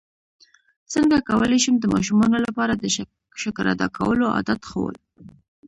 څنګه کولی شم د ماشومانو لپاره د شکر ادا کولو عادت ښوول